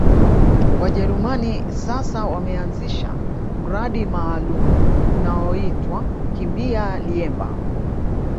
Wajerumani sasa wameanzisha mradi maalumu unaoitwa kimbia liemba